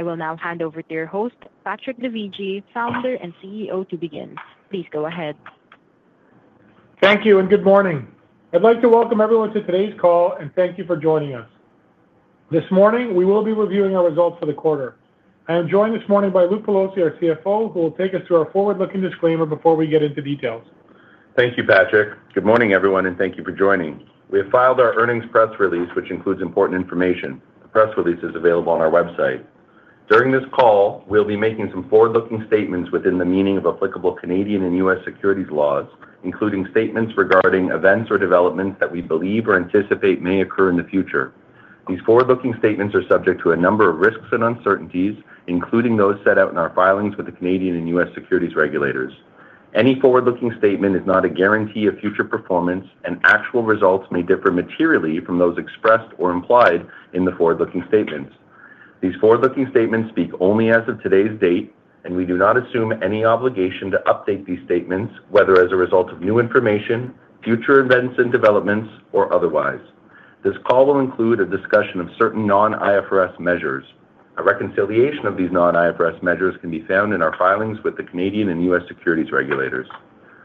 I will now hand over to your host, Patrick Dovigi, Founder and CEO, to begin. Please go ahead. Thank you and good morning. I'd like to welcome everyone to today's call and thank you for joining us. This morning, we will be reviewing our results for the quarter. I am joined this morning by Luke Pelosi, our CFO, who will take us through our forward-looking disclaimer before we get into details. Thank you, Patrick. Good morning, everyone, and thank you for joining. We have filed our earnings press release, which includes important information. The press release is available on our website. During this call, we'll be making some forward-looking statements within the meaning of applicable Canadian and U.S. securities laws, including statements regarding events or developments that we believe or anticipate may occur in the future. These forward-looking statements are subject to a number of risks and uncertainties, including those set out in our filings with the Canadian and U.S. securities regulators. Any forward-looking statement is not a guarantee of future performance, and actual results may differ materially from those expressed or implied in the forward-looking statements. These forward-looking statements speak only as of today's date, and we do not assume any obligation to update these statements, whether as a result of new information, future events and developments, or otherwise. This call will include a discussion of certain non-IFRS measures. A reconciliation of these non-IFRS measures can be found in our filings with the Canadian and U.S. securities regulators.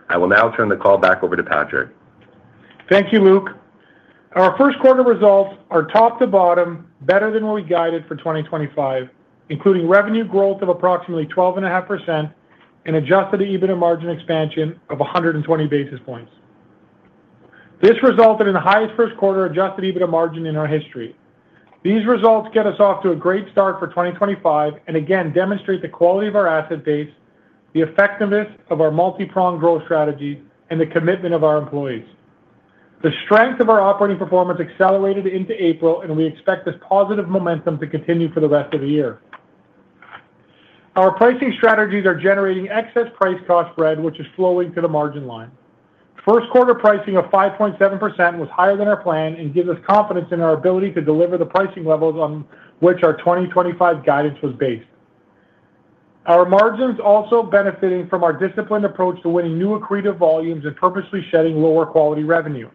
I will now turn the call back over to Patrick. Thank you, Luke. Our first quarter results are top to bottom, better than what we guided for 2025, including revenue growth of approximately 12.5% and adjusted EBITDA margin expansion of 120 basis points. This resulted in the highest first quarter adjusted EBITDA margin in our history. These results get us off to a great start for 2025 and again demonstrate the quality of our asset base, the effectiveness of our multi-pronged growth strategy, and the commitment of our employees. The strength of our operating performance accelerated into April, and we expect this positive momentum to continue for the rest of the year. Our pricing strategies are generating excess price cost spread, which is flowing to the margin line. First quarter pricing of 5.7% was higher than our plan and gives us confidence in our ability to deliver the pricing levels on which our 2025 guidance was based. Our margins also benefiting from our disciplined approach to winning new accretive volumes and purposely shedding lower quality revenue.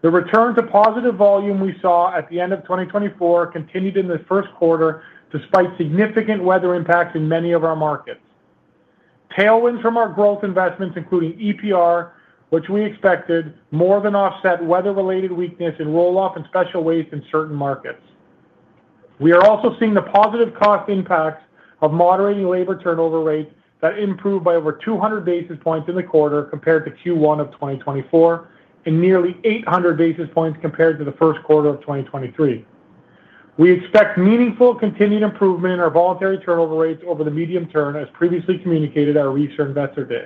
The return to positive volume we saw at the end of 2024 continued in the first quarter despite significant weather impacts in many of our markets. Tailwinds from our growth investments, including EPR, which we expected, more than offset weather-related weakness and roll-off in special waste in certain markets. We are also seeing the positive cost impact of moderating labor turnover rate that improved by over 200 basis points in the quarter compared to Q1 of 2024 and nearly 800 basis points compared to the first quarter of 2023. We expect meaningful continued improvement in our voluntary turnover rates over the medium term, as previously communicated our recent Investor Day.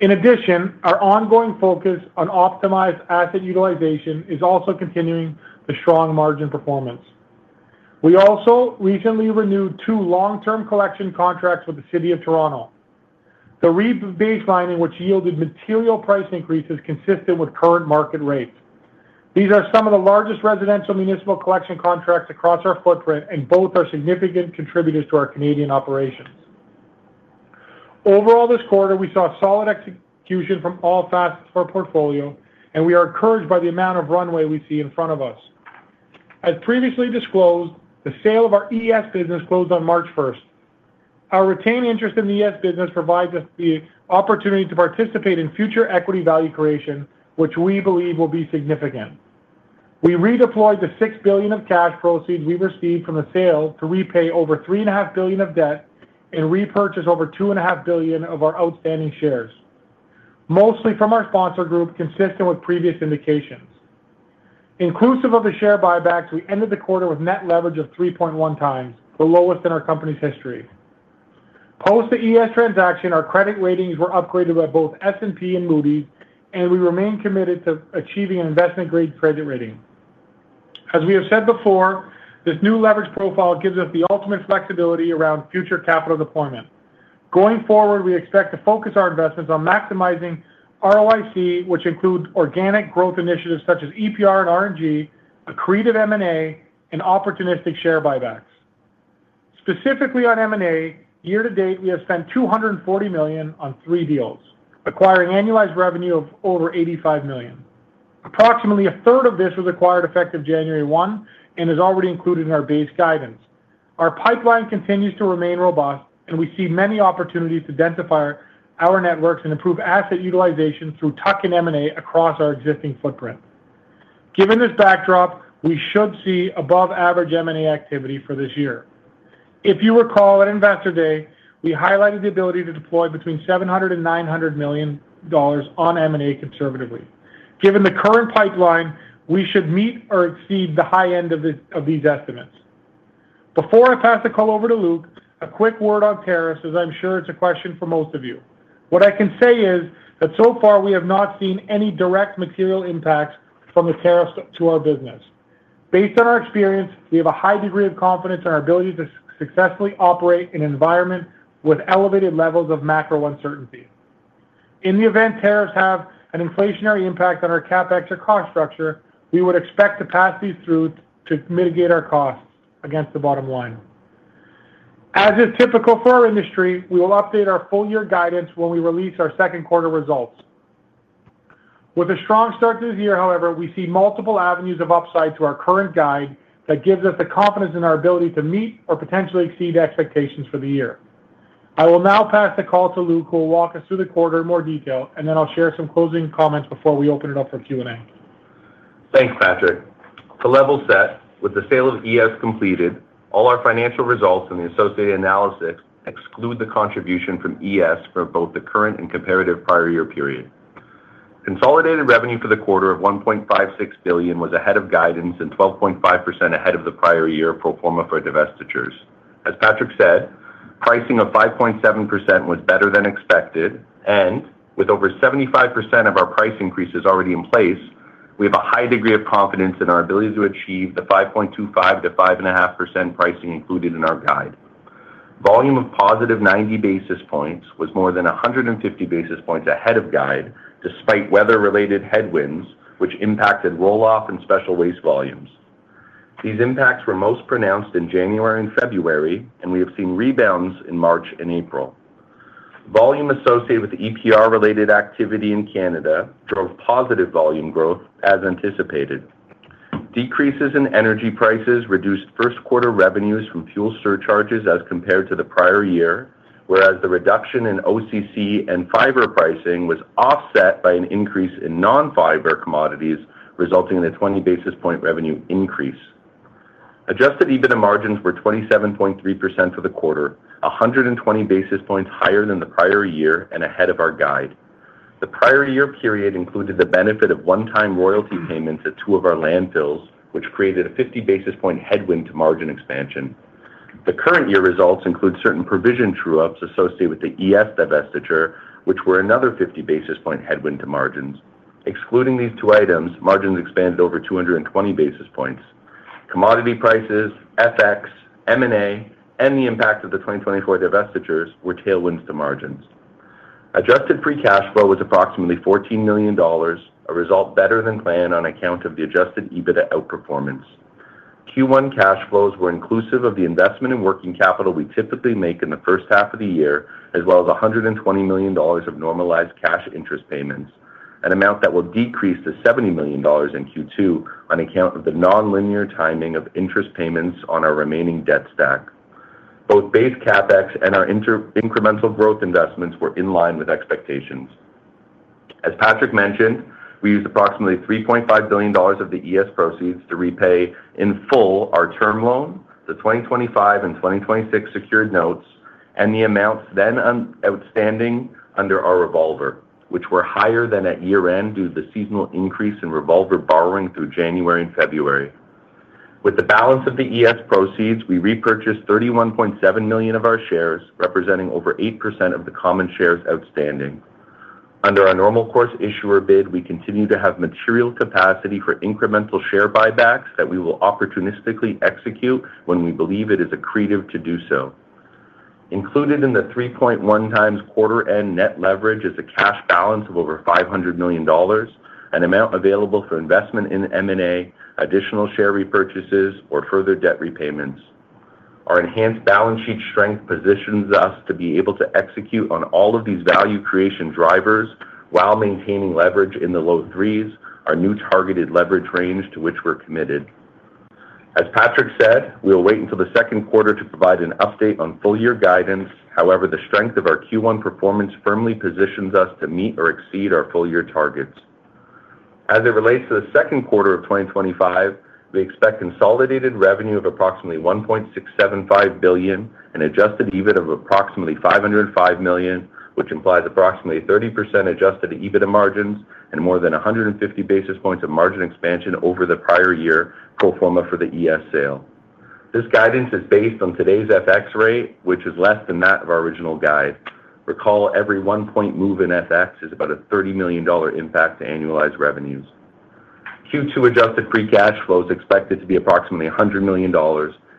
In addition, our ongoing focus on optimized asset utilization is also continuing the strong margin performance. We also recently renewed two long-term collection contracts with the City of Toronto. The re-baselining, which yielded material price increases consistent with current market rates. These are some of the largest residential municipal collection contracts across our footprint, and both are significant contributors to our Canadian operations. Overall, this quarter, we saw solid execution from all facets of our portfolio, and we are encouraged by the amount of runway we see in front of us. As previously disclosed, the sale of our ES business closed on March 1st. Our retained interest in the ES business provides us the opportunity to participate in future equity value creation, which we believe will be significant. We redeployed the $6 billion of cash proceeds we received from the sale to repay over $3.5 billion of debt and repurchase over $2.5 billion of our outstanding shares, mostly from our sponsor group, consistent with previous indications. Inclusive of the share buybacks, we ended the quarter with net leverage of 3.1x, the lowest in our company's history. Post the ES transaction, our credit ratings were upgraded by both S&P and Moody's, and we remain committed to achieving an investment-grade credit rating. As we have said before, this new leverage profile gives us the ultimate flexibility around future capital deployment. Going forward, we expect to focus our investments on maximizing ROIC, which includes organic growth initiatives such as EPR and RNG, accretive M&A, and opportunistic share buybacks. Specifically on M&A, year to date, we have spent $240 million on three deals, acquiring annualized revenue of over $85 million. Approximately a 1/3 of this was acquired effective January 1 and is already included in our base guidance. Our pipeline continues to remain robust, and we see many opportunities to densify our networks and improve asset utilization through tuck-in M&A across our existing footprint. Given this backdrop, we should see above-average M&A activity for this year. If you recall, at Investor Day, we highlighted the ability to deploy between $700 million and $900 million on M&A conservatively. Given the current pipeline, we should meet or exceed the high end of these estimates. Before I pass the call over to Luke, a quick word on tariffs, as I'm sure it's a question for most of you. What I can say is that so far, we have not seen any direct material impacts from the tariffs to our business. Based on our experience, we have a high degree of confidence in our ability to successfully operate in an environment with elevated levels of macro uncertainty. In the event tariffs have an inflationary impact on our CapEx or cost structure, we would expect to pass these through to mitigate our costs against the bottom line. As is typical for our industry, we will update our full-year guidance when we release our second quarter results. With a strong start to the year, however, we see multiple avenues of upside to our current guide that gives us the confidence in our ability to meet or potentially exceed expectations for the year. I will now pass the call to Luke, who will walk us through the quarter in more detail, and then I'll share some closing comments before we open it up for Q&A. Thanks, Patrick. To level set, with the sale of ES completed, all our financial results and the associated analysis exclude the contribution from ES for both the current and comparative prior year period. Consolidated revenue for the quarter of $1.56 billion was ahead of guidance and 12.5% ahead of the prior year pro forma for divestitures. As Patrick said, pricing of 5.7% was better than expected, and with over 75% of our price increases already in place, we have a high degree of confidence in our ability to achieve the 5.25%-5.5% pricing included in our guide. Volume of positive 90 basis points was more than 150 basis points ahead of guide, despite weather-related headwinds, which impacted roll-off and special waste volumes. These impacts were most pronounced in January and February, and we have seen rebounds in March and April. Volume associated with EPR related activity in Canada drove positive volume growth, as anticipated. Decreases in energy prices reduced first quarter revenues from fuel surcharges as compared to the prior year, whereas the reduction in OCC and fiber pricing was offset by an increase in non-fiber commodities, resulting in a 20 basis point revenue increase. Adjusted EBITDA margins were 27.3% for the quarter, 120 basis points higher than the prior year and ahead of our guide. The prior year period included the benefit of one-time royalty payments at two of our landfills, which created a 50 basis point headwind to margin expansion. The current year results include certain provision true-ups associated with the ES divestiture, which were another 50 basis point headwind to margins. Excluding these two items, margins expanded over 220 basis points. Commodity prices, FX, M&A, and the impact of the 2024 divestitures were tailwinds to margins. Adjusted free cash flow was approximately $14 million, a result better than planned on account of the adjusted EBITDA outperformance. Q1 cash flows were inclusive of the investment in working capital we typically make in the first half of the year, as well as $120 million of normalized cash interest payments, an amount that will decrease to $70 million in Q2 on account of the non-linear timing of interest payments on our remaining debt stack. Both base CapEx and our incremental growth investments were in line with expectations. As Patrick mentioned, we used approximately $3.5 billion of the ES proceeds to repay in full our term loan, the 2025 and 2026 secured notes, and the amounts then outstanding under our revolver, which were higher than at year-end due to the seasonal increase in revolver borrowing through January and February. With the balance of the ES proceeds, we repurchased $31.7 million of our shares, representing over 8% of the common shares outstanding. Under our normal course issuer bid, we continue to have material capacity for incremental share buybacks that we will opportunistically execute when we believe it is accretive to do so. Included in the 3.1x quarter-end net leverage is a cash balance of over $500 million, an amount available for investment in M&A, additional share repurchases, or further debt repayments. Our enhanced balance sheet strength positions us to be able to execute on all of these value creation drivers while maintaining leverage in the low threes, our new targeted leverage range to which we're committed. As Patrick said, we'll wait until the second quarter to provide an update on full-year guidance; however, the strength of our Q1 performance firmly positions us to meet or exceed our full-year targets. As it relates to the second quarter of 2025, we expect consolidated revenue of approximately $1.675 billion and adjusted EBITDA of approximately $505 million, which implies approximately 30% adjusted EBITDA margins and more than 150 basis points of margin expansion over the prior year pro forma for the ES sale. This guidance is based on today's FX rate, which is less than that of our original guide. Recall, every one-point move in FX is about a $30 million impact to annualized revenues. Q2 adjusted free cash flow is expected to be approximately $100 million,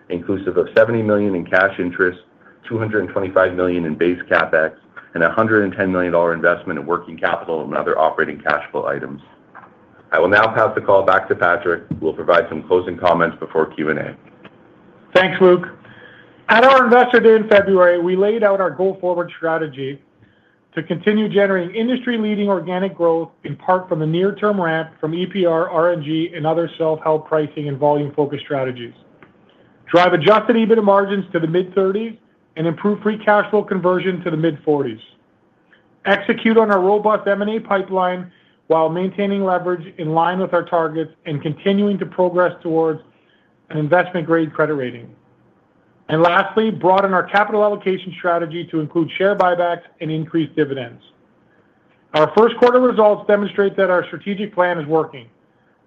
inclusive of $70 million in cash interest, $225 million in base CapEx, and a $110 million investment in working capital and other operating cash flow items. I will now pass the call back to Patrick, who will provide some closing comments before Q&A. Thanks, Luke. At our Investor Day in February, we laid out our go-forward strategy to continue generating industry-leading organic growth in part from the near-term ramp from EPR, RNG, and other self-help pricing and volume-focused strategies, drive adjusted EBITDA margins to the mid-30s, and improve free cash flow conversion to the mid-40s, execute on our robust M&A pipeline while maintaining leverage in line with our targets and continuing to progress towards an investment-grade credit rating, and lastly, broaden our capital allocation strategy to include share buybacks and increase dividends. Our first quarter results demonstrate that our strategic plan is working.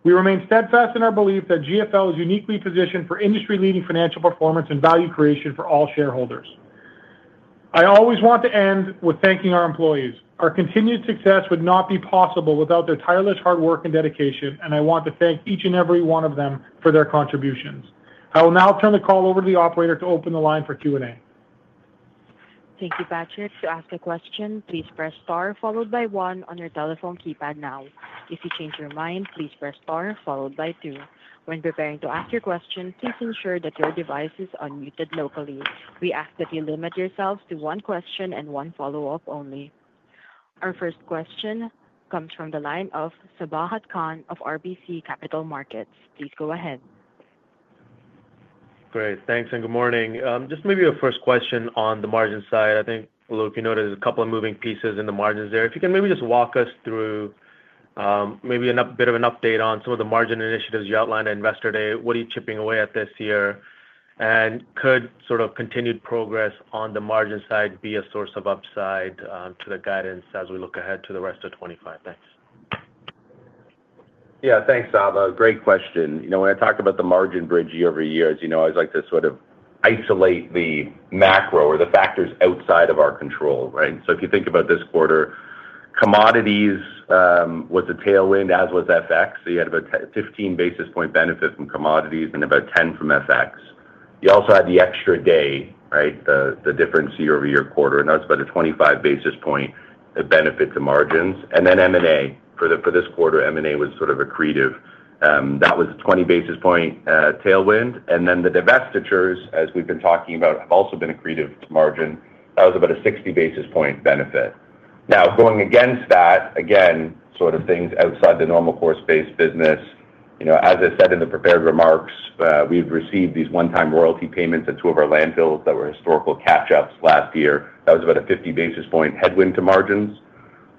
We remain steadfast in our belief that GFL is uniquely positioned for industry-leading financial performance and value creation for all shareholders. I always want to end with thanking our employees. Our continued success would not be possible without their tireless hard work and dedication, and I want to thank each and every one of them for their contributions. I will now turn the call over to the operator to open the line for Q&A. Thank you, Patrick. To ask a question, please press star followed by one on your telephone keypad now. If you change your mind, please press star followed by two. When preparing to ask your question, please ensure that your device is unmuted locally. We ask that you limit yourselves to one question and one follow-up only. Our first question comes from the line of Sabahat Khan of RBC Capital Markets. Please go ahead. Great. Thanks and good morning. Just maybe a first question on the margin side. I think, Luke, you noted a couple of moving pieces in the margins there. If you can maybe just walk us through maybe a bit of an update on some of the margin initiatives you outlined at Investor Day. What are you chipping away at this year? Could sort of continued progress on the margin side be a source of upside to the guidance as we look ahead to the rest of 2025? Thanks. Yeah, thanks, Sabahat. Great question. When I talk about the margin bridge year-over-year, as you know, I always like to sort of isolate the macro or the factors outside of our control, right? If you think about this quarter, commodities was a tailwind, as was FX. You had about 15 basis point benefit from commodities and about 10 basis points from FX. You also had the extra day, right? The difference year-over-year quarter, and that was about a 25 basis point benefit to margins. M&A for this quarter was sort of accretive. That was a 20 basis point tailwind. The divestitures, as we've been talking about, have also been accretive to margin. That was about a 60 basis point benefit. Now, going against that, again, sort of things outside the normal course-based business. As I said in the prepared remarks, we've received these one-time royalty payments at two of our landfills that were historical catch-ups last year. That was about a 50 basis point headwind to margins.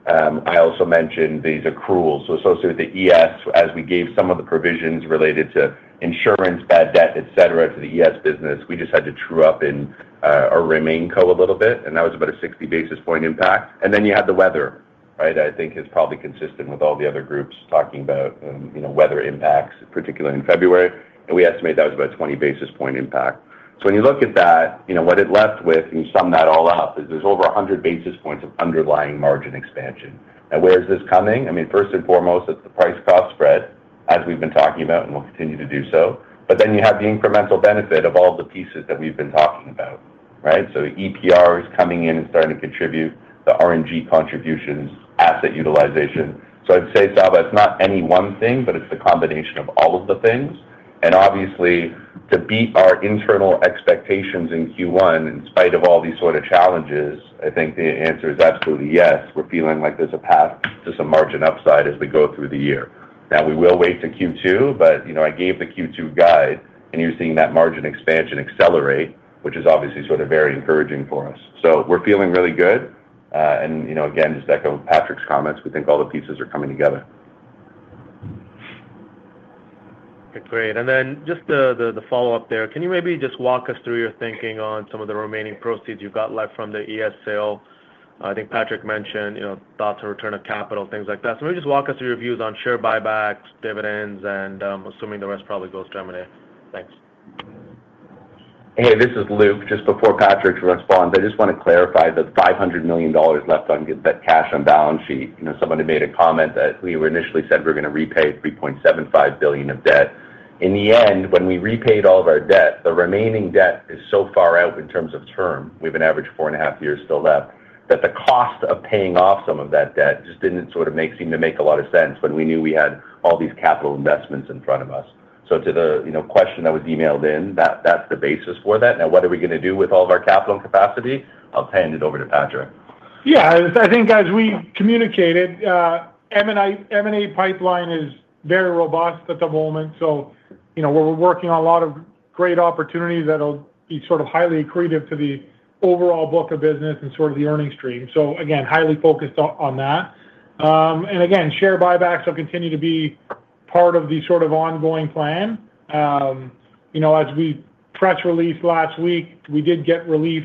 I also mentioned these accruals. So associated with the ES, as we gave some of the provisions related to insurance, bad debt, etc., to the ES business, we just had to true up in our RemainCo a little bit, and that was about a 60 basis point impact. You had the weather, right? I think it's probably consistent with all the other groups talking about weather impacts, particularly in February. We estimate that was about a 20 basis point impact. When you look at that, what it left with, and you sum that all up, is there's over 100 basis points of underlying margin expansion. Now, where is this coming? I mean, first and foremost, it's the price-cost spread, as we've been talking about, and we'll continue to do so. Then you have the incremental benefit of all the pieces that we've been talking about, right? EPR is coming in and starting to contribute, the RNG contributions, asset utilization. I'd say, Sabahat, it's not any one thing, but it's the combination of all of the things. Obviously, to beat our internal expectations in Q1, in spite of all these sort of challenges, I think the answer is absolutely yes. We're feeling like there's a path to some margin upside as we go through the year. We will wait to Q2, but I gave the Q2 guide, and you're seeing that margin expansion accelerate, which is obviously very encouraging for us. We're feeling really good. Again, just echo Patrick's comments, we think all the pieces are coming together. Great. Just the follow-up there, can you maybe just walk us through your thinking on some of the remaining proceeds you have left from the ES sale? I think Patrick mentioned thoughts on return of capital, things like that. Maybe just walk us through your views on share buybacks, dividends, and assuming the rest probably goes to M&A. Thanks. Hey, this is Luke. Just before Patrick responds, I just want to clarify the $500 million left on cash on balance sheet. Somebody made a comment that we were initially said we were going to repay $3.75 billion of debt. In the end, when we repaid all of our debt, the remaining debt is so far out in terms of term. We have an average of four and a half years still left. The cost of paying off some of that debt just did not sort of seem to make a lot of sense when we knew we had all these capital investments in front of us. To the question that was emailed in, that is the basis for that. Now, what are we going to do with all of our capital and capacity? I will hand it over to Patrick. Yeah. I think as we communicated, the M&A pipeline is very robust at the moment. We are working on a lot of great opportunities that will be sort of highly accretive to the overall book of business and sort of the earnings stream. Again, highly focused on that. Again, share buybacks will continue to be part of the sort of ongoing plan. As we press released last week, we did get relief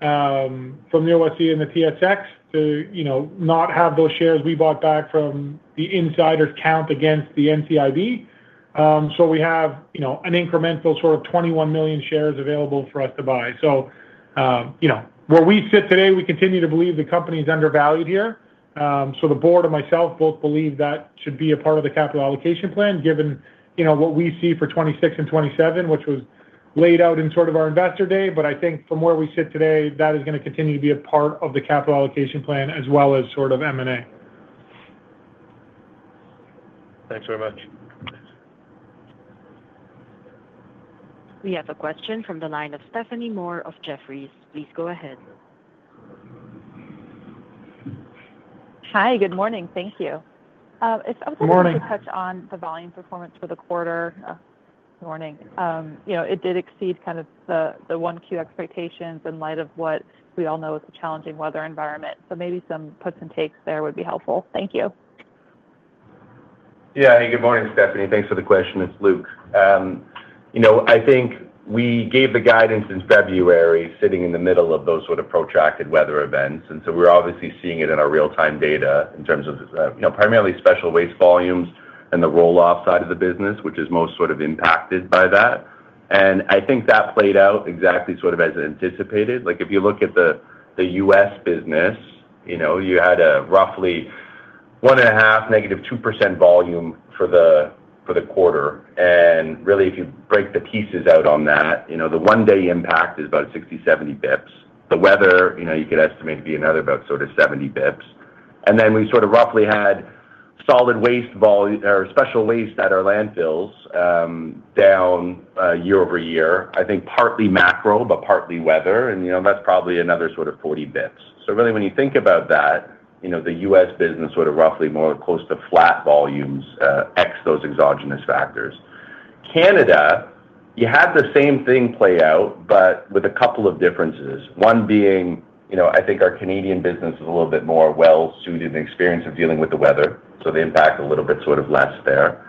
from the OSC and the TSX to not have those shares we bought back from the insiders count against the NCIB. We have an incremental 21 million shares available for us to buy. Where we sit today, we continue to believe the company is undervalued here. The board and myself both believe that should be a part of the capital allocation plan, given what we see for 2026 and 2027, which was laid out in sort of our Investor Day. I think from where we sit today, that is going to continue to be a part of the capital allocation plan as well as sort of M&A. Thanks very much. We have a question from the line of Stephanie Moore of Jefferies. Please go ahead. Hi, good morning. Thank you. If I was able to touch on the volume performance for the quarter, good morning. It did exceed kind of the 1Q expectations in light of what we all know is the challenging weather environment. Maybe some puts and takes there would be helpful. Thank you. Yeah. Hey, good morning, Stephanie. Thanks for the question. It's Luke. I think we gave the guidance in February, sitting in the middle of those sort of protracted weather events. We are obviously seeing it in our real-time data in terms of primarily special waste volumes and the roll-off side of the business, which is most sort of impacted by that. I think that played out exactly sort of as anticipated. If you look at the U.S. business, you had a roughly 1.5%, -2% volume for the quarter. If you break the pieces out on that, the one-day impact is about 60basis points-70 basis points. The weather, you could estimate to be another about sort of 70 basis points. We sort of roughly had solid waste or special waste at our landfills down year-over-year. I think partly macro, but partly weather. That is probably another sort of 40 basis points. Really, when you think about that, the U.S. business would have roughly more close to flat volumes ex those exogenous factors. Canada, you had the same thing play out, but with a couple of differences. One being, I think our Canadian business is a little bit more well-suited and experienced in dealing with the weather. The impact is a little bit less there.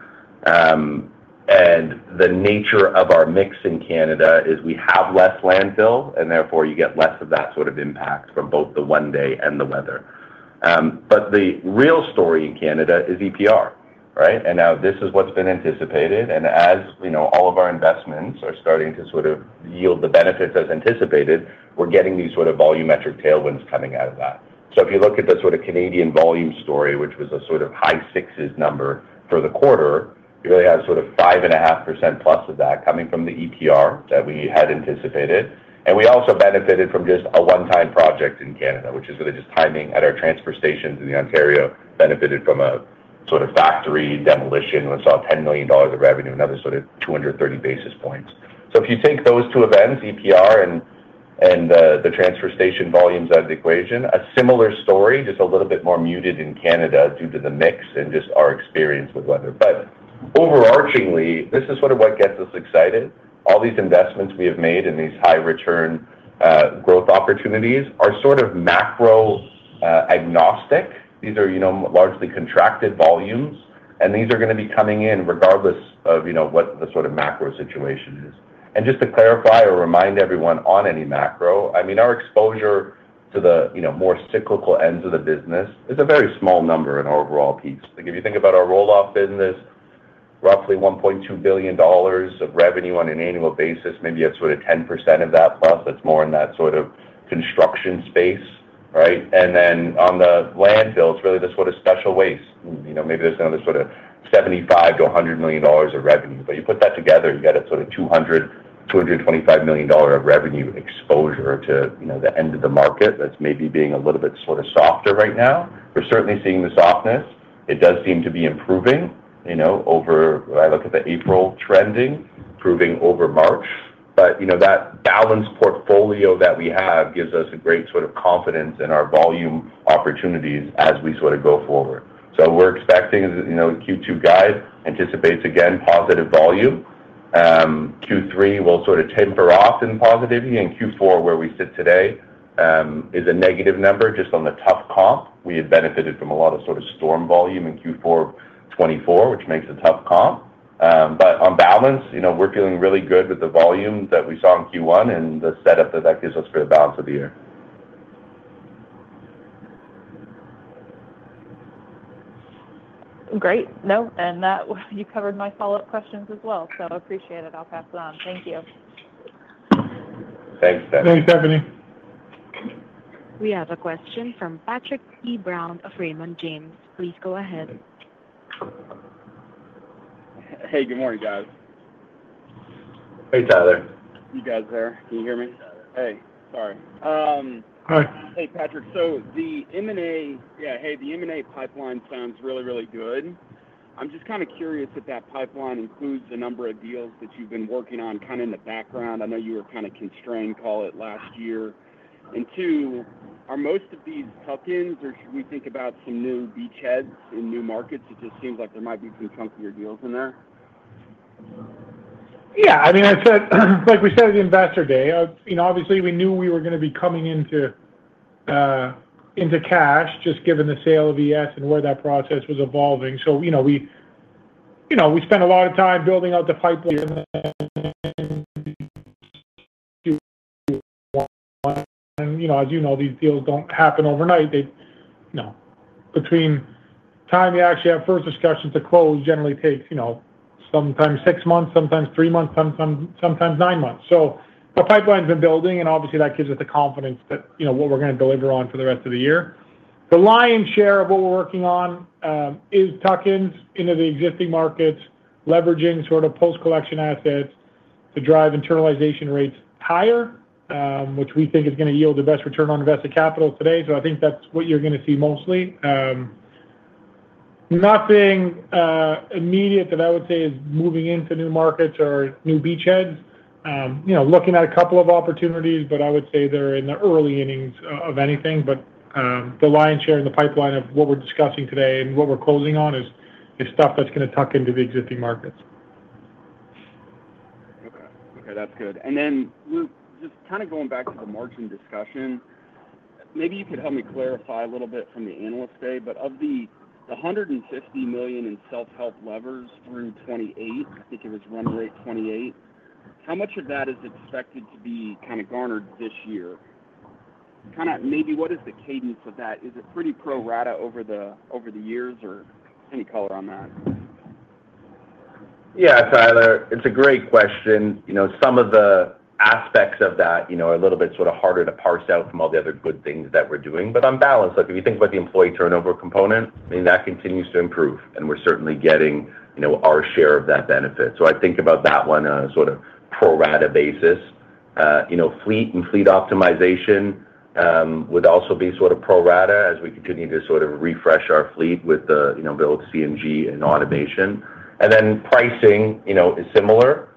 The nature of our mix in Canada is we have less landfill, and therefore you get less of that sort of impact from both the one-day and the weather. The real story in Canada is EPR, right? This is what has been anticipated. As all of our investments are starting to sort of yield the benefits as anticipated, we're getting these sort of volumetric tailwinds coming out of that. If you look at the sort of Canadian volume story, which was a sort of high sixes number for the quarter, you really have sort of 5.5%+ of that coming from the EPR that we had anticipated. We also benefited from just a one-time project in Canada, which is really just timing at our transfer stations in Ontario benefited from a sort of factory demolition. We saw $10 million of revenue and other sort of 230 basis points. If you take those two events, EPR and the transfer station volumes out of the equation, a similar story, just a little bit more muted in Canada due to the mix and just our experience with weather. Overarchingly, this is sort of what gets us excited. All these investments we have made in these high-return growth opportunities are sort of macro-agnostic. These are largely contracted volumes, and these are going to be coming in regardless of what the sort of macro situation is. Just to clarify or remind everyone on any macro, I mean, our exposure to the more cyclical ends of the business is a very small number in our overall piece. If you think about our roll-off business, roughly $1.2 billion of revenue on an annual basis, maybe that is sort of 10% of that plus. That is more in that sort of construction space, right? On the landfills, really there is sort of special waste. Maybe there is another sort of $75 million-$100 million of revenue. You put that together, you got a sort of $200 million-$225 million of revenue exposure to the end of the market that's maybe being a little bit sort of softer right now. We're certainly seeing the softness. It does seem to be improving over, if I look at the April trending, improving over March. That balanced portfolio that we have gives us a great sort of confidence in our volume opportunities as we sort of go forward. We're expecting the Q2 guide anticipates again positive volume. Q3 will sort of temper off in positivity. Q4, where we sit today, is a negative number just on the tough comp. We had benefited from a lot of sort of storm volume in Q4 2024, which makes a tough comp. On balance, we're feeling really good with the volume that we saw in Q1 and the setup that that gives us for the balance of the year. Great. No, and you covered my follow-up questions as well. I appreciate it. I'll pass it on. Thank you. Thanks, Stephanie. Thanks, Stephanie. We have a question from Patrick Tyler Brown of Raymond James. Please go ahead. Hey, good morning, guys. Hey, Tyler. You guys there? Can you hear me? Hey. Sorry. Hi. Hey, Patrick. The M&A pipeline sounds really, really good. I'm just kind of curious if that pipeline includes the number of deals that you've been working on kind of in the background. I know you were kind of constrained, call it, last year. And two, are most of these tuck-ins, or should we think about some new beachheads in new markets? It just seems like there might be some chunkier deals in there. Yeah. I mean, like we said at Investor Day, obviously, we knew we were going to be coming into cash just given the sale of ES and where that process was evolving. We spent a lot of time building out the pipeline. As you know, these deals do not happen overnight. Between time you actually have first discussions to close generally takes sometimes six months, sometimes three months, sometimes nine months. The pipeline's been building, and obviously, that gives us the confidence that what we're going to deliver on for the rest of the year. The lion's share of what we're working on is tuck-ins into the existing markets, leveraging sort of post-collection assets to drive internalization rates higher, which we think is going to yield the best return on invested capital today. I think that's what you're going to see mostly. Nothing immediate that I would say is moving into new markets or new beachheads. Looking at a couple of opportunities, but I would say they're in the early innings of anything. The lion's share in the pipeline of what we're discussing today and what we're closing on is stuff that's going to tuck into the existing markets. Okay. Okay. That's good. And then, Luke, just kind of going back to the margin discussion, maybe you could help me clarify a little bit from the analyst day, but of the $150 million in self-help levers through 2028, I think it was run rate 2028, how much of that is expected to be kind of garnered this year? Kind of maybe what is the cadence of that? Is it pretty pro-rata over the years, or? Any color on that? Yeah, Tyler. It's a great question. Some of the aspects of that are a little bit sort of harder to parse out from all the other good things that we're doing. On balance, if you think about the employee turnover component, I mean, that continues to improve, and we're certainly getting our share of that benefit. I think about that one on a sort of pro-rata basis. Fleet and fleet optimization would also be sort of pro-rata as we continue to sort of refresh our fleet with the build CNG and automation. Pricing is similar.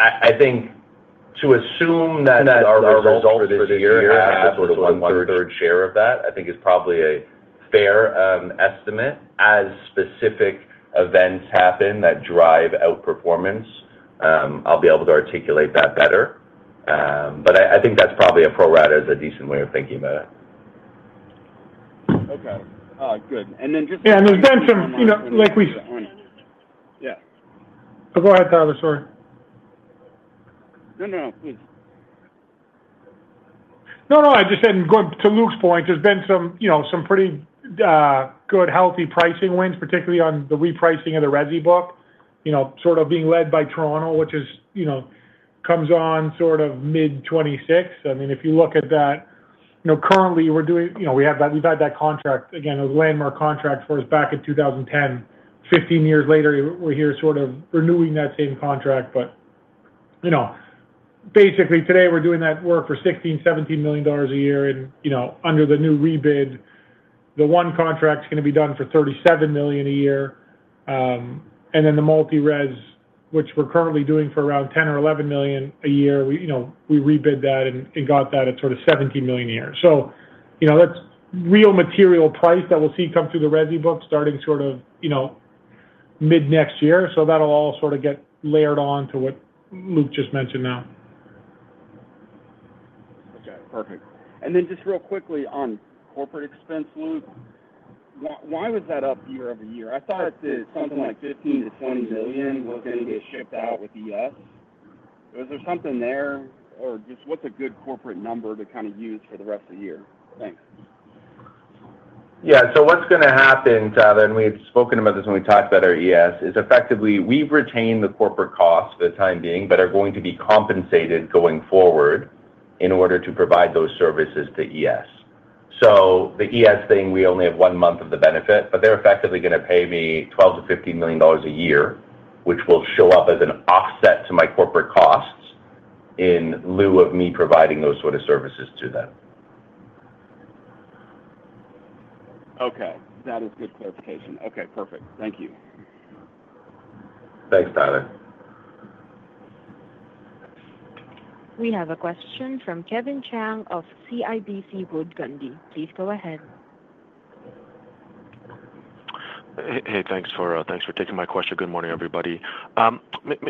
I think to assume that our results for this year have sort of 1/3 share of that, I think is probably a fair estimate. As specific events happen that drive outperformance, I'll be able to articulate that better. I think that probably a pro-rata is a decent way of thinking about it. Okay. Good. And then just. Yeah. There's been some, like we. Yeah. Go ahead, Tyler, sorry. No, no. Please. No, no. I just said, going to Luke's point, there's been some pretty good, healthy pricing wins, particularly on the repricing of the resi book, sort of being led by Toronto, which comes on sort of mid-2026. I mean, if you look at that, currently, we're doing we've had that contract, again, a landmark contract for us back in 2010. Fifteen years later, we're here sort of renewing that same contract. Basically, today, we're doing that work for $16 million-$17 million a year. Under the new rebid, the one contract's going to be done for $37 million a year. The multi-res, which we're currently doing for around $10 million-$11 million a year, we rebid that and got that at sort of $17 million a year. That's real material price that we'll see come through the resi book starting sort of mid-next year. That will all sort of get layered on to what Luke just mentioned now. Okay. Perfect. And then just real quickly on corporate expense, Luke, why was that up year-over-year? I thought that something like $15 million-$20 million was going to get shipped out with ES. Was there something there, or just what's a good corporate number to kind of use for the rest of the year? Thanks. Yeah. What's going to happen, Tyler, and we had spoken about this when we talked about our ES, is effectively we've retained the corporate cost for the time being, but are going to be compensated going forward in order to provide those services to ES. The ES thing, we only have one month of the benefit, but they're effectively going to pay me $12 million-$15 million a year, which will show up as an offset to my corporate costs in lieu of me providing those sort of services to them. Okay. That is good clarification. Okay. Perfect. Thank you. Thanks, Tyler. We have a question from Kevin Chiang of CIBC Wood Gundy. Please go ahead. Hey, thanks for taking my question. Good morning, everybody.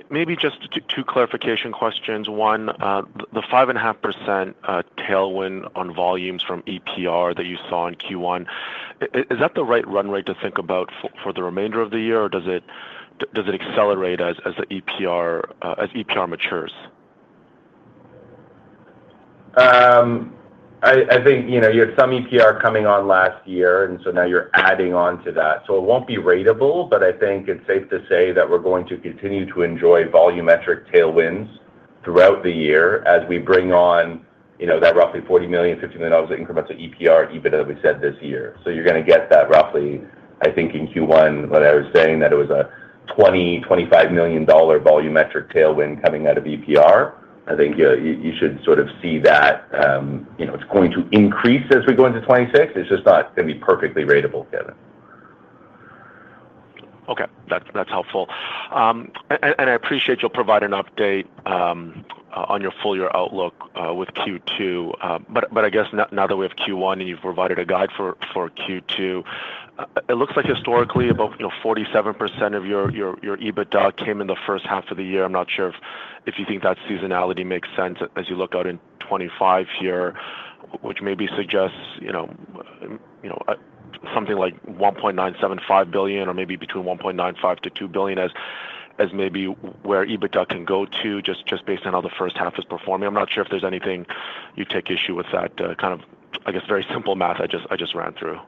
Maybe just two clarification questions. One, the 5.5% tailwind on volumes from EPR that you saw in Q1, is that the right run rate to think about for the remainder of the year, or does it accelerate as EPR matures? I think you had some EPR coming on last year, and now you're adding on to that. It won't be ratable, but I think it's safe to say that we're going to continue to enjoy volumetric tailwinds throughout the year as we bring on that roughly $40 million-$50 million incremental EPR, even as we said this year. You're going to get that roughly, I think in Q1, when I was saying that it was a $20 million-$25 million volumetric tailwind coming out of EPR. I think you should sort of see that it's going to increase as we go into 2026. It's just not going to be perfectly ratable, Kevin. Okay. That's helpful. I appreciate you'll provide an update on your full year outlook with Q2. I guess now that we have Q1 and you've provided a guide for Q2, it looks like historically about 47% of your EBITDA came in the first half of the year. I'm not sure if you think that seasonality makes sense as you look out in 2025 here, which maybe suggests something like $1.975 billion or maybe between $1.95 billion-$2 billion as maybe where EBITDA can go to just based on how the first half is performing. I'm not sure if there's anything you take issue with that kind of, I guess, very simple math I just ran through.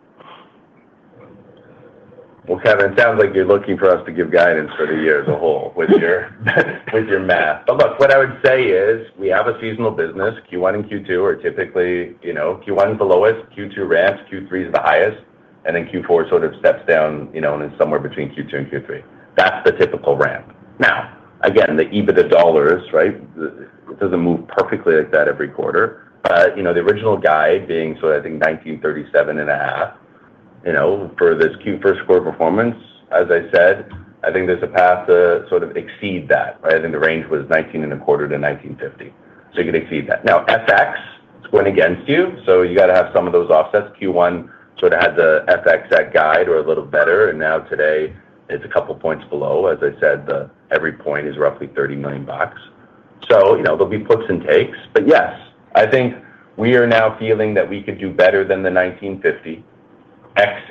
Kevin, it sounds like you're looking for us to give guidance for the year as a whole with your math. What I would say is we have a seasonal business. Q1 and Q2 are typically Q1 is the lowest, Q2 ramps, Q3 is the highest, and then Q4 sort of steps down and is somewhere between Q2 and Q3. That is the typical ramp. Now, again, the EBITDA dollars, right, it does not move perfectly like that every quarter. The original guide being sort of, I think, $1937.5 for this Q1 score performance, as I said, I think there is a path to sort of exceed that, right? I think the range was $1925-$1950. You could exceed that. Now, FX, it is going against you. You have to have some of those offsets. Q1 sort of had the FX at guide or a little better, and now today it's a couple of points below. As I said, every point is roughly $30 million. There'll be puts and takes. Yes, I think we are now feeling that we could do better than the $1950x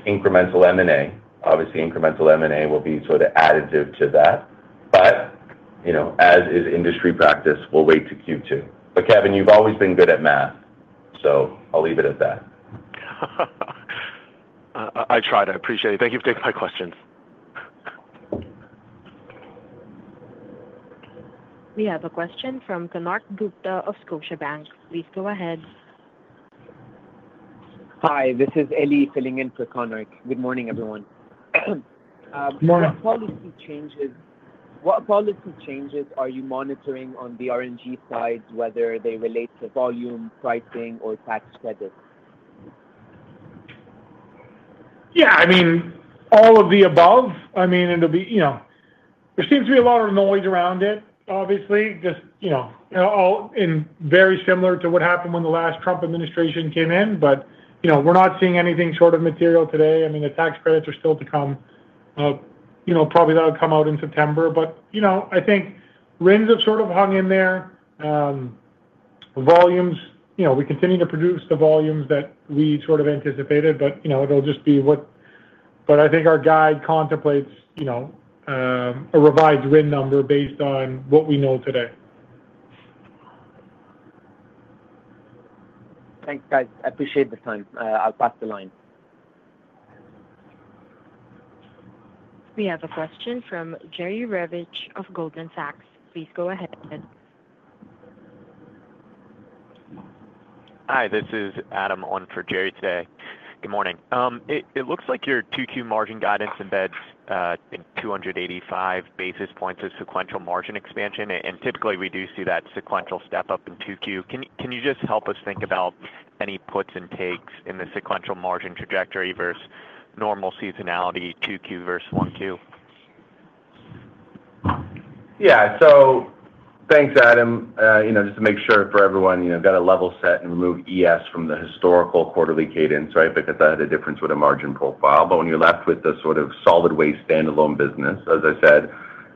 incremental M&A. Obviously, incremental M&A will be sort of additive to that. As is industry practice, we'll wait to Q2. Kevin, you've always been good at math, so I'll leave it at that. I tried. I appreciate it. Thank you for taking my questions. We have a question from Konark Gupta of Scotiabank. Please go ahead. Hi. This is Ellie filling in for Konark. Good morning, everyone. Good morning. What policy changes are you monitoring on the RNG side, whether they relate to volume, pricing, or tax credits? Yeah. I mean, all of the above. I mean, there seems to be a lot of noise around it, obviously, just very similar to what happened when the last Trump administration came in. We're not seeing anything sort of material today. I mean, the tax credits are still to come. Probably that'll come out in September. I think RINs have sort of hung in there. Volumes, we continue to produce the volumes that we sort of anticipated, but it'll just be what I think our guide contemplates, a revised RIN number based on what we know today. Thanks, guys. I appreciate the time. I'll pass the line. We have a question from Jerry Revich of Goldman Sachs. Please go ahead. Hi. This is Adam on for Jerry today. Good morning. It looks like your Q2 margin guidance embeds in 285 basis points of sequential margin expansion. Typically, we do see that sequential step up in Q2. Can you just help us think about any puts and takes in the sequential margin trajectory versus normal seasonality Q2 versus Q1? Yeah. Thanks, Adam. Just to make sure for everyone, got a level set and remove ES from the historical quarterly cadence, right, because that had a difference with a margin profile. When you're left with the sort of solid waste standalone business, as I said,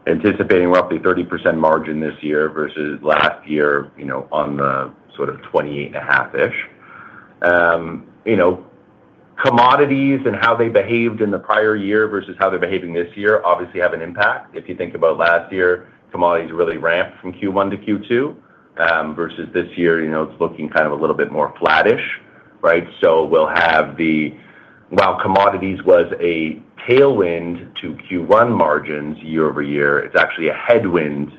anticipating roughly 30% margin this year versus last year on the sort of 28.5%. Commodities and how they behaved in the prior year versus how they're behaving this year obviously have an impact. If you think about last year, commodities really ramped from Q1 to Q2 versus this year, it's looking kind of a little bit more flattish, right? We'll have the while commodities was a tailwind to Q1 margins year-over-year, it's actually a headwind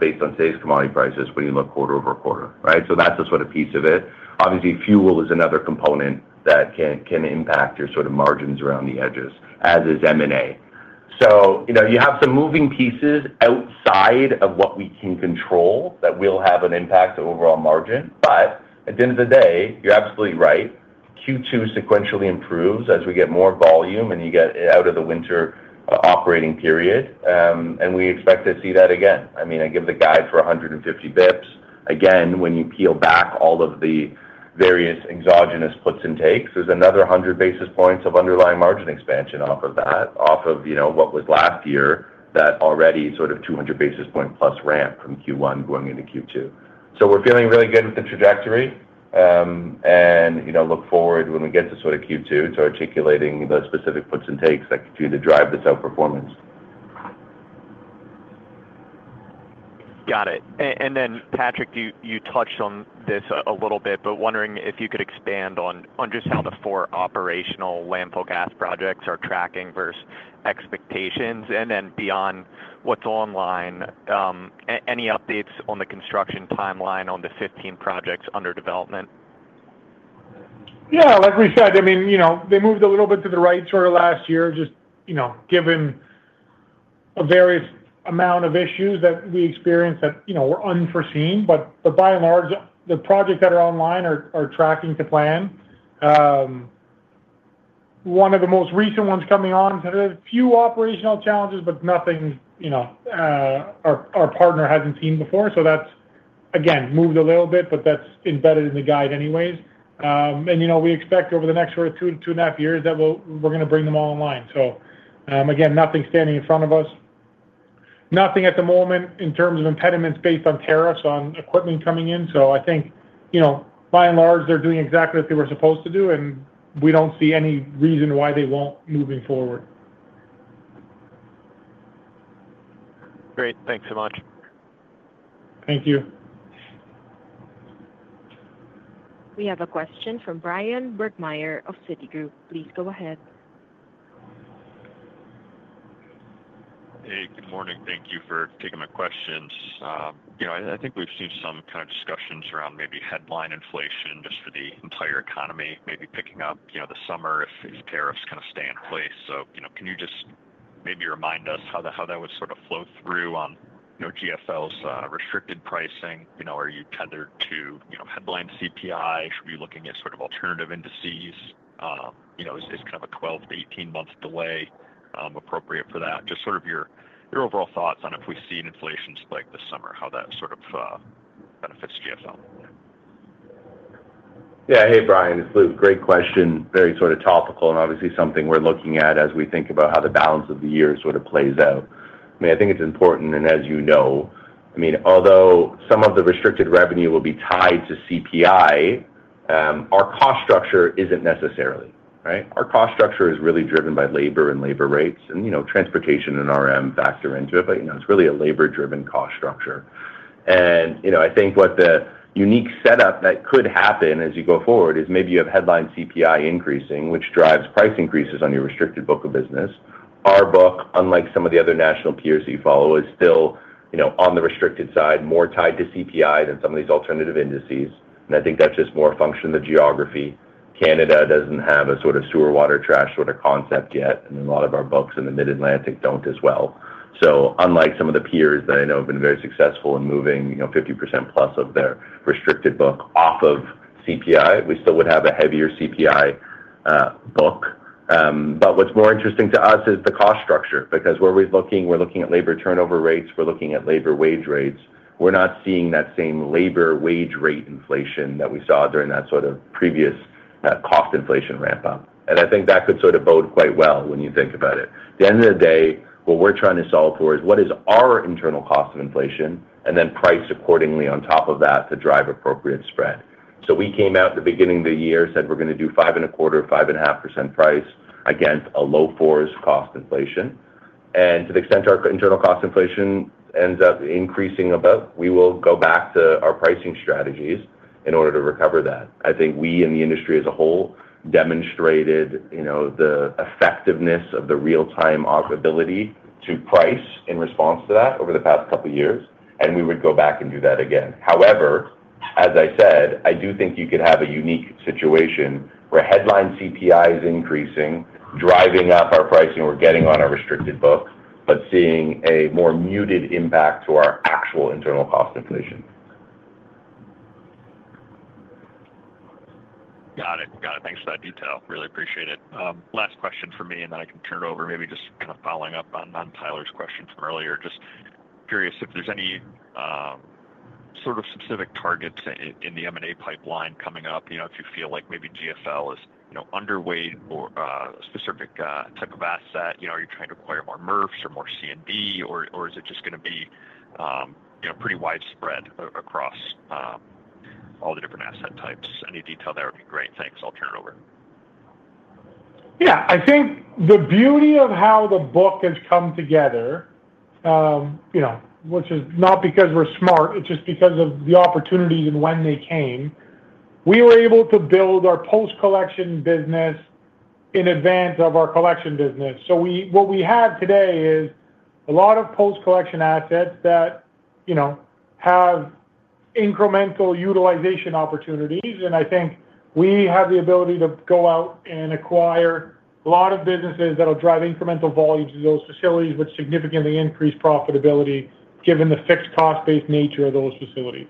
based on today's commodity prices when you look quarter-over-quarter, right? That's just sort of a piece of it. Obviously, fuel is another component that can impact your sort of margins around the edges, as is M&A. You have some moving pieces outside of what we can control that will have an impact on overall margin. At the end of the day, you're absolutely right. Q2 sequentially improves as we get more volume and you get out of the winter operating period. We expect to see that again. I mean, I give the guide for 150 basis points. Again, when you peel back all of the various exogenous puts and takes, there's another 100 basis points of underlying margin expansion off of that, off of what was last year that already sort of 200 basis point plus ramp from Q1 going into Q2. We're feeling really good with the trajectory and look forward when we get to sort of Q2 to articulating the specific puts and takes that continue to drive the sell performance. Got it. Patrick, you touched on this a little bit, but wondering if you could expand on just how the four operational landfill gas projects are tracking versus expectations and then beyond what is online. Any updates on the construction timeline on the 15 projects under development? Yeah. Like we said, I mean, they moved a little bit to the right sort of last year just given a various amount of issues that we experienced that were unforeseen. By and large, the projects that are online are tracking to plan. One of the most recent ones coming on had a few operational challenges, but nothing our partner hasn't seen before. That's, again, moved a little bit, but that's embedded in the guide anyways. We expect over the next sort of 2 years-2.5 years that we're going to bring them all online. Again, nothing standing in front of us. Nothing at the moment in terms of impediments based on tariffs on equipment coming in. I think by and large, they're doing exactly what they were supposed to do, and we don't see any reason why they won't moving forward. Great. Thanks so much. Thank you. We have a question from Bryan Burgmeier of Citigroup. Please go ahead. Hey, good morning. Thank you for taking my questions. I think we've seen some kind of discussions around maybe headline inflation just for the entire economy, maybe picking up this summer if tariffs kind of stay in place. Can you just maybe remind us how that would sort of flow through on GFL's restricted pricing? Are you tethered to headline CPI? Should we be looking at sort of alternative indices? Is kind of a 12 month-18 month delay appropriate for that? Just sort of your overall thoughts on if we see inflation spike this summer, how that sort of benefits GFL. Yeah. Hey, Bryan. It's Luke. Great question. Very sort of topical and obviously something we're looking at as we think about how the balance of the year sort of plays out. I mean, I think it's important, and as you know, I mean, although some of the restricted revenue will be tied to CPI, our cost structure isn't necessarily, right? Our cost structure is really driven by labor and labor rates, and transportation and R&M factor into it, but it's really a labor-driven cost structure. I think what the unique setup that could happen as you go forward is maybe you have headline CPI increasing, which drives price increases on your restricted book of business. Our book, unlike some of the other national peers that you follow, is still on the restricted side, more tied to CPI than some of these alternative indices. I think that's just more a function of the geography. Canada doesn't have a sort of sewer, water, trash sort of concept yet, and a lot of our books in the Mid-Atlantic don't as well. Unlike some of the peers that I know have been very successful in moving 50%+ of their restricted book off of CPI, we still would have a heavier CPI book. What's more interesting to us is the cost structure because where we're looking, we're looking at labor turnover rates, we're looking at labor wage rates. We're not seeing that same labor wage rate inflation that we saw during that sort of previous cost inflation ramp-up. I think that could sort of bode quite well when you think about it. At the end of the day, what we're trying to solve for is what is our internal cost of inflation and then price accordingly on top of that to drive appropriate spread. We came out at the beginning of the year, said we're going to do 5.25%-5.5% price against a low 4% cost inflation. To the extent our internal cost inflation ends up increasing a bit, we will go back to our pricing strategies in order to recover that. I think we in the industry as a whole demonstrated the effectiveness of the real-time ability to price in response to that over the past couple of years, and we would go back and do that again. However, as I said, I do think you could have a unique situation where headline CPI is increasing, driving up our pricing, we're getting on our restricted book, but seeing a more muted impact to our actual internal cost inflation. Got it. Got it. Thanks for that detail. Really appreciate it. Last question for me, and then I can turn it over. Maybe just kind of following up on Tyler's question from earlier. Just curious if there's any sort of specific targets in the M&A pipeline coming up, if you feel like maybe GFL is underweight or a specific type of asset, are you trying to acquire more MRFs or more C&D, or is it just going to be pretty widespread across all the different asset types? Any detail there would be great. Thanks. I'll turn it over. Yeah. I think the beauty of how the book has come together, which is not because we're smart, it's just because of the opportunities and when they came. We were able to build our post-collection business in advance of our collection business. What we have today is a lot of post-collection assets that have incremental utilization opportunities. I think we have the ability to go out and acquire a lot of businesses that will drive incremental volumes to those facilities, which significantly increase profitability given the fixed cost-based nature of those facilities.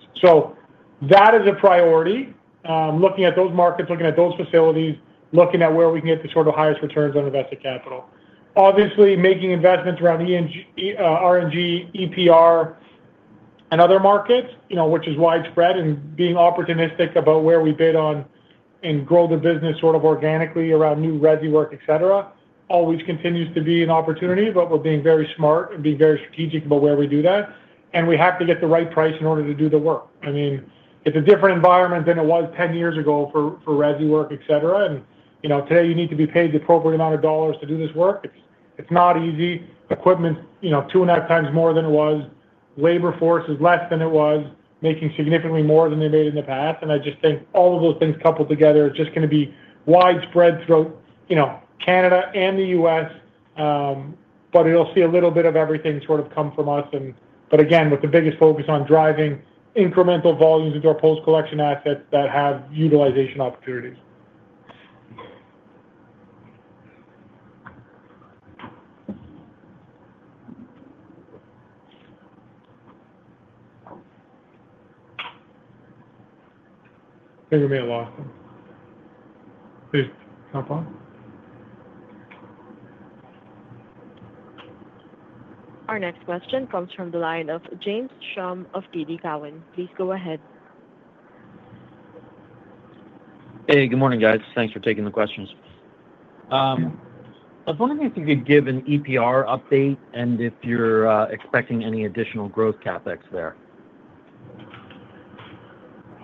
That is a priority. Looking at those markets, looking at those facilities, looking at where we can get the sort of highest returns on invested capital. Obviously, making investments around RNG, EPR, and other markets, which is widespread and being opportunistic about where we bid on and grow the business sort of organically around new resi work, etc., always continues to be an opportunity, but we're being very smart and being very strategic about where we do that. We have to get the right price in order to do the work. I mean, it's a different environment than it was 10 years ago for resi work, etc. Today, you need to be paid the appropriate amount of dollars to do this work. It's not easy. Equipment, 2.5x more than it was labor force is less than it was, making significantly more than they made in the past. I just think all of those things coupled together are just going to be widespread throughout Canada and the U.S., but it'll see a little bit of everything sort of come from us. Again, with the biggest focus on driving incremental volumes into our post-collection assets that have utilization opportunities. Ping me at last. Please jump on. Our next question comes from the line of James Schumm of TD Cowen. Please go ahead. Hey, good morning, guys. Thanks for taking the questions. I was wondering if you could give an EPR update and if you're expecting any additional growth CapEx there.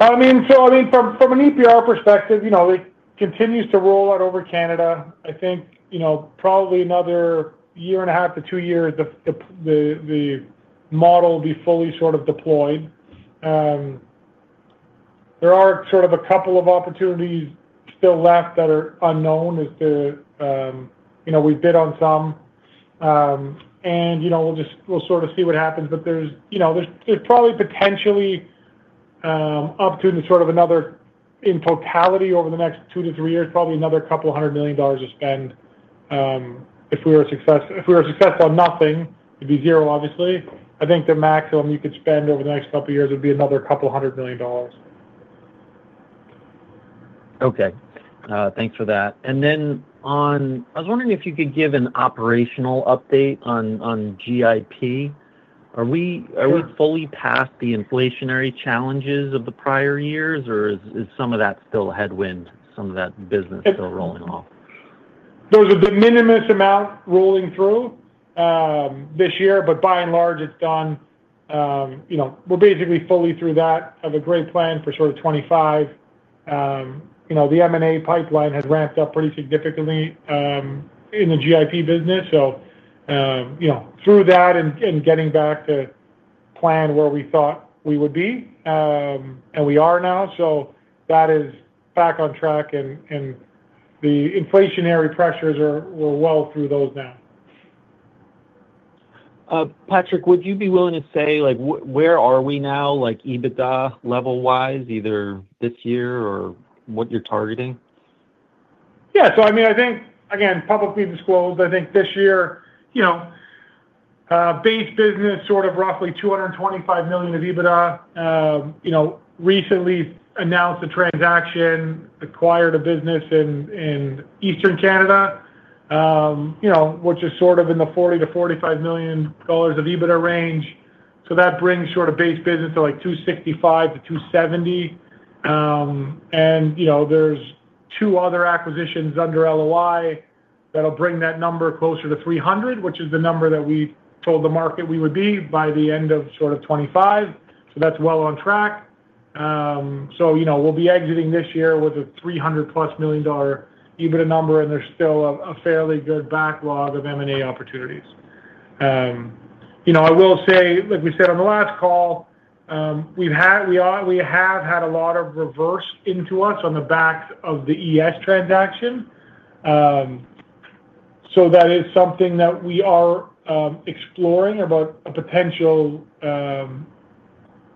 I mean, from an EPR perspective, it continues to roll out over Canada. I think probably another year and a half to two years, the model will be fully sort of deployed. There are sort of a couple of opportunities still left that are unknown as to we bid on some. We'll sort of see what happens. There's probably potentially up to another in totality over the next two to three years, probably another couple of hundred million dollars to spend. If we were successful, if we were successful at nothing, it'd be zero, obviously. I think the maximum you could spend over the next couple of years would be another couple of hundred million dollars. Okay. Thanks for that. I was wondering if you could give an operational update on GIP. Are we fully past the inflationary challenges of the prior years, or is some of that still headwind, some of that business still rolling off? There's a de minimis amount rolling through this year, but by and large, it's done. We're basically fully through that. Have a great plan for sort of 2025. The M&A pipeline has ramped up pretty significantly in the GIP business. Through that and getting back to plan where we thought we would be, and we are now. That is back on track, and the inflationary pressures, we're well through those now. Patrick, would you be willing to say where are we now, like EBITDA level-wise, either this year or what you're targeting? Yeah. I mean, I think, again, publicly disclosed, I think this year, base business sort of roughly $225 million of EBITDA. Recently announced a transaction, acquired a business in Eastern Canada, which is sort of in the $40 million-$45 million of EBITDA range. That brings sort of base business to like $265 million-$270 million. There are two other acquisitions under LOI that'll bring that number closer to $300 million, which is the number that we told the market we would be by the end of 2025. That is well on track. We will be exiting this year with a $300+ million EBITDA number, and there is still a fairly good backlog of M&A opportunities. I will say, like we said on the last call, we have had a lot of reverse into us on the back of the ES transaction. That is something that we are exploring about a potential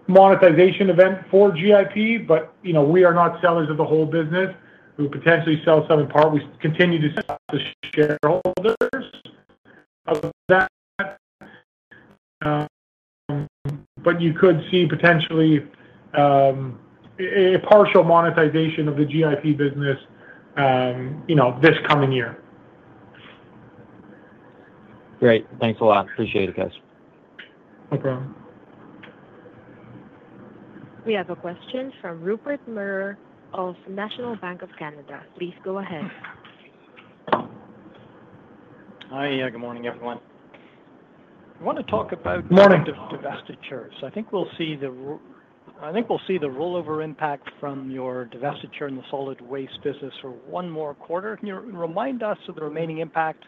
monetization event for GIP, but we are not sellers of the whole business. We would potentially sell some in part. We continue to sell to shareholders of that. You could see potentially a partial monetization of the GIP business this coming year. Great. Thanks a lot. Appreciate it, guys. No problem. We have a question from Rupert Merer of National Bank of Canada. Please go ahead. Hi. Yeah, good morning, everyone. I want to talk about. Good morning. Divestiture. I think we'll see the rollover impact from your divestiture in the solid waste business for one more quarter. Can you remind us of the remaining impact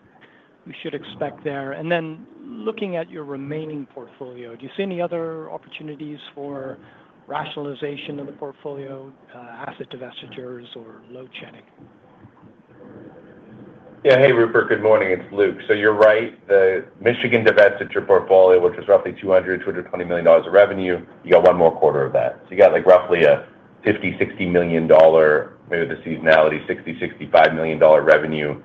we should expect there? And then looking at your remaining portfolio, do you see any other opportunities for rationalization of the portfolio, asset divestitures or load shedding? Yeah. Hey, Rupert. Good morning. It's Luke. You're right. The Michigan divestiture portfolio, which was roughly $200 million-$220 million of revenue, you got one more quarter of that. You got roughly a $50 million-$60 million, maybe the seasonality, $60 million-$65 million revenue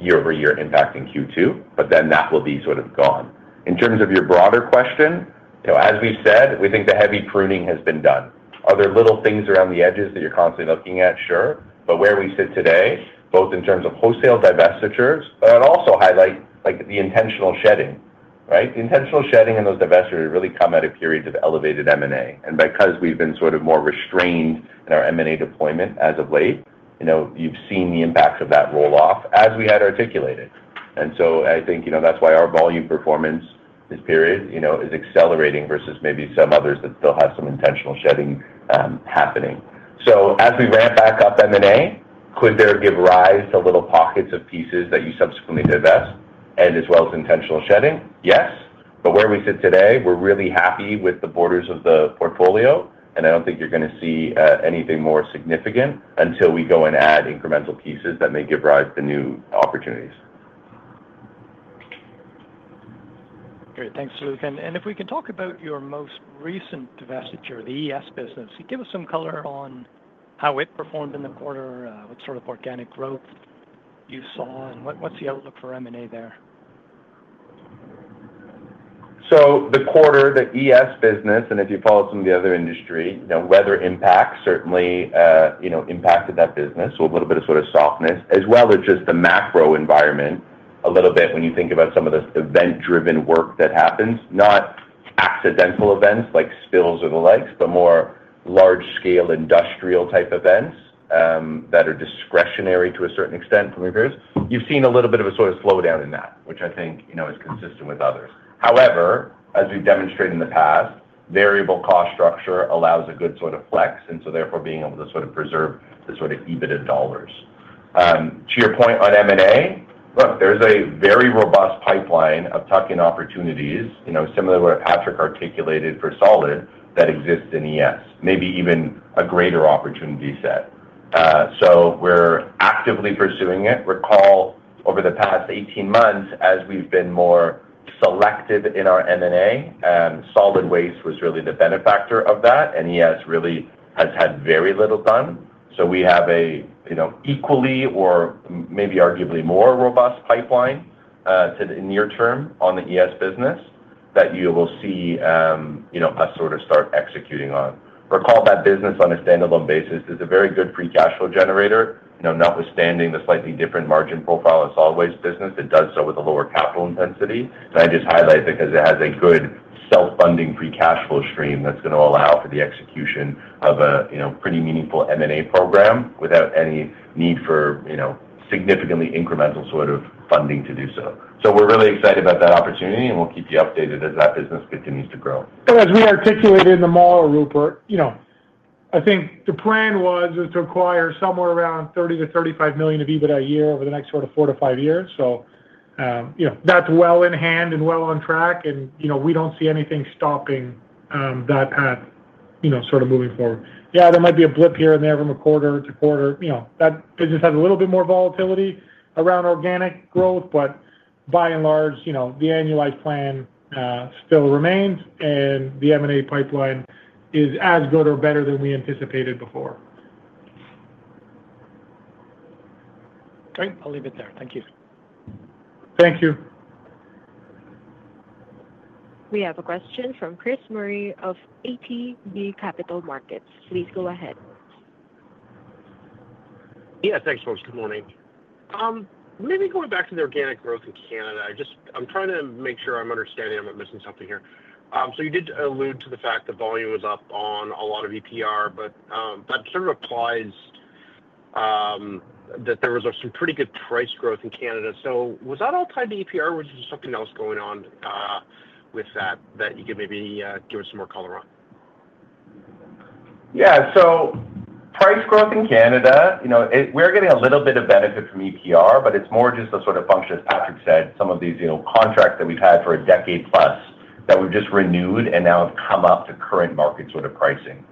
year-over-year impacting Q2, but then that will be sort of gone. In terms of your broader question, as we've said, we think the heavy pruning has been done. Are there little things around the edges that you're constantly looking at? Sure. Where we sit today, both in terms of wholesale divestitures, I'd also highlight the intentional shedding, right? The intentional shedding in those divestitures really come at a period of elevated M&A. Because we've been sort of more restrained in our M&A deployment as of late, you've seen the impact of that roll-off as we had articulated. I think that's why our volume performance this period is accelerating versus maybe some others that still have some intentional shedding happening. As we ramp back up M&A, could there give rise to little pockets of pieces that you subsequently divest and as well as intentional shedding? Yes. Where we sit today, we're really happy with the borders of the portfolio, and I don't think you're going to see anything more significant until we go and add incremental pieces that may give rise to new opportunities. Great. Thanks, Luke. If we can talk about your most recent divestiture, the ES business, give us some color on how it performed in the quarter, what sort of organic growth you saw, and what is the outlook for M&A there? The quarter, the ES business, and if you follow some of the other industry, weather impact certainly impacted that business with a little bit of sort of softness, as well as just the macro environment a little bit when you think about some of the event-driven work that happens, not accidental events like spills or the likes, but more large-scale industrial type events that are discretionary to a certain extent from your peers. You've seen a little bit of a sort of slowdown in that, which I think is consistent with others. However, as we've demonstrated in the past, variable cost structure allows a good sort of flex, and so therefore being able to sort of preserve the sort of EBITDA dollars. To your point on M&A, look, there's a very robust pipeline of tuck-in opportunities, similar to what Patrick articulated for solid that exists in ES, maybe even a greater opportunity set. We're actively pursuing it. Recall over the past 18 months, as we've been more selective in our M&A, solid waste was really the benefactor of that, and ES really has had very little done. We have an equally or maybe arguably more robust pipeline to the near term on the ES business that you will see us sort of start executing on. Recall that business on a standalone basis is a very good free cash flow generator, notwithstanding the slightly different margin profile in solid waste business. It does so with a lower capital intensity. I just highlight it because it has a good self-funding free cash flow stream that's going to allow for the execution of a pretty meaningful M&A program without any need for significantly incremental sort of funding to do so. We are really excited about that opportunity, and we'll keep you updated as that business continues to grow. As we articulated in the model, Rupert, I think the plan was to acquire somewhere around $30 million-$35 million of EBITDA a year over the next sort of four years-five years. That is well in hand and well on track, and we do not see anything stopping that path moving forward. There might be a blip here and there from quarter to quarter. That business has a little bit more volatility around organic growth, but by and large, the annualized plan still remains, and the M&A pipeline is as good or better than we anticipated before. Great. I'll leave it there. Thank you. Thank you. We have a question from Chris Murray of ATB Capital Markets. Please go ahead. Yeah. Thanks, folks. Good morning. Maybe going back to the organic growth in Canada, I'm trying to make sure I'm understanding. I'm missing something here. You did allude to the fact that volume was up on a lot of EPR, but that sort of implies that there was some pretty good price growth in Canada. Was that all tied to EPR, or was there something else going on with that that you could maybe give us some more color on? Yeah. Price growth in Canada, we're getting a little bit of benefit from EPR, but it's more just a sort of function, as Patrick said, some of these contracts that we've had for a decade plus that we've just renewed and now have come up to current market sort of pricing.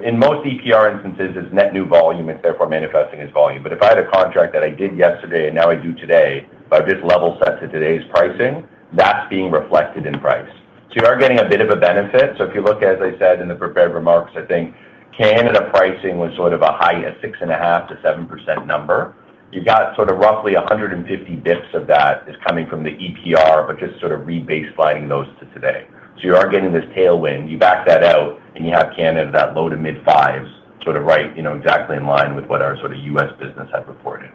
In most EPR instances, it's net new volume. It's therefore manifesting as volume. If I had a contract that I did yesterday and now I do today, but I've just level set to today's pricing, that's being reflected in price. You are getting a bit of a benefit. If you look, as I said in the prepared remarks, I think Canada pricing was sort of a high, a 6.5%-7% number. You've got sort of roughly 150 basis points of that is coming from the EPR, but just sort of re-baselining those to today. You are getting this tailwind. You back that out, and you have Canada that low to mid fives, sort of right exactly in line with what our sort of U.S. business had reported.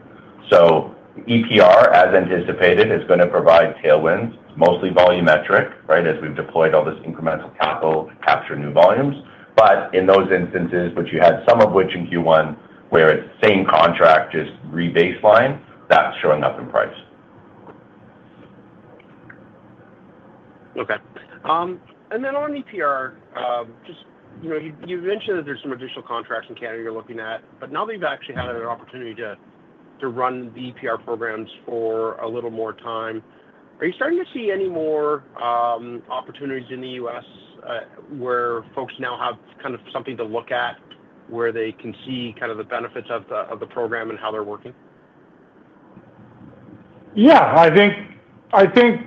EPR, as anticipated, is going to provide tailwinds, mostly volumetric, right, as we've deployed all this incremental capital to capture new volumes. In those instances, which you had some of which in Q1, where it's the same contract just re-baseline, that's showing up in price. Okay. On EPR, you mentioned that there's some additional contracts in Canada you're looking at, but now that you've actually had an opportunity to run the EPR programs for a little more time, are you starting to see any more opportunities in the U.S. where folks now have kind of something to look at where they can see kind of the benefits of the program and how they're working? Yeah. I think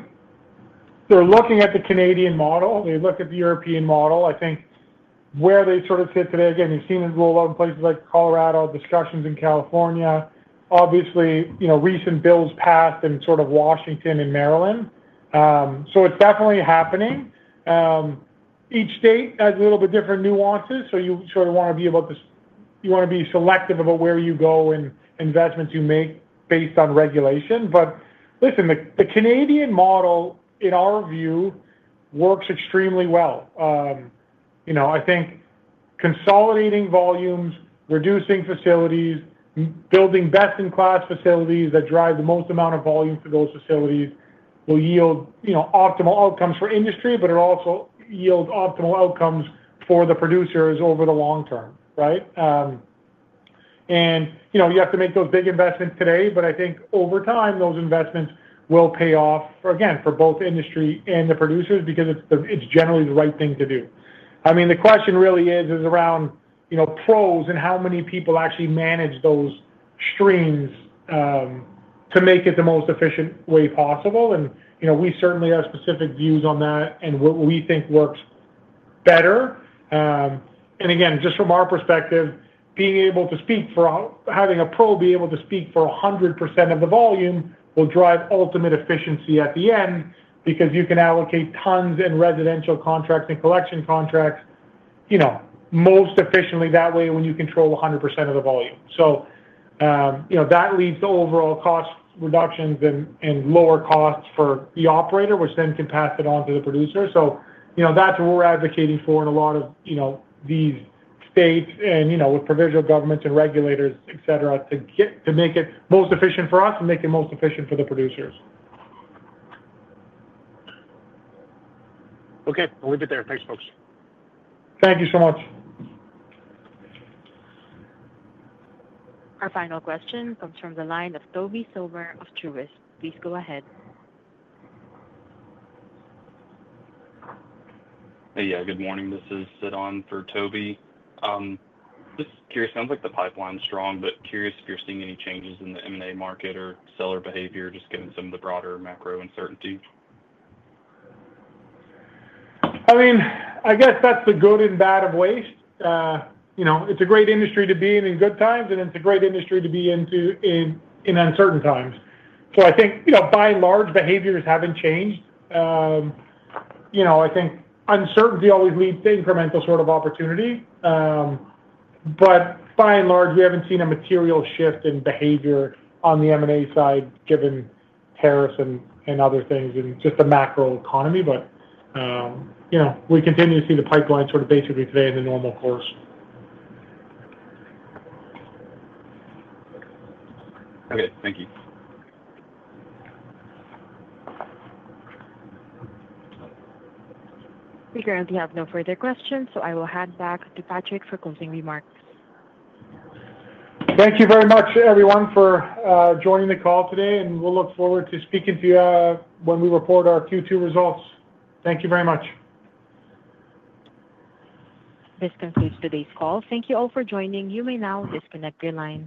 they're looking at the Canadian model. They look at the European model. I think where they sort of sit today, again, you've seen it roll out in places like Colorado, discussions in California, obviously recent bills passed in sort of Washington and Maryland. It is definitely happening. Each state has a little bit different nuances. You sort of want to be able to, you want to be selective about where you go and investments you make based on regulation. Listen, the Canadian model, in our view, works extremely well. I think consolidating volumes, reducing facilities, building best-in-class facilities that drive the most amount of volume to those facilities will yield optimal outcomes for industry, but it will also yield optimal outcomes for the producers over the long term, right? You have to make those big investments today, but I think over time, those investments will pay off, again, for both industry and the producers because it is generally the right thing to do. I mean, the question really is around pros and how many people actually manage those streams to make it the most efficient way possible. We certainly have specific views on that and what we think works better. Again, just from our perspective, being able to speak for having a pro be able to speak for 100% of the volume will drive ultimate efficiency at the end because you can allocate tons in residential contracts and collection contracts most efficiently that way when you control 100% of the volume. That leads to overall cost reductions and lower costs for the operator, which then can pass it on to the producer. That's what we're advocating for in a lot of these states and with provincial governments and regulators, etc., to make it most efficient for us and make it most efficient for the producers. Okay. I'll leave it there. Thanks, folks. Thank you so much. Our final question comes from the line of Tobey Sommer of Truist. Please go ahead. Hey, yeah. Good morning. This is Sid on for Tobey. Just curious, it sounds like the pipeline's strong, but curious if you're seeing any changes in the M&A market or seller behavior, just given some of the broader macro uncertainty. I mean, I guess that's the good and bad of waste. It's a great industry to be in in good times, and it's a great industry to be in in uncertain times. I think, by and large, behaviors haven't changed. I think uncertainty always leads to incremental sort of opportunity. By and large, we haven't seen a material shift in behavior on the M&A side given tariffs and other things and just the macro economy. We continue to see the pipeline sort of basically today in the normal course. Okay. Thank you. We're going to have no further questions, so I will hand back to Patrick for closing remarks. Thank you very much, everyone, for joining the call today, and we'll look forward to speaking to you when we report our Q2 results. Thank you very much. This concludes today's call. Thank you all for joining. You may now disconnect the line.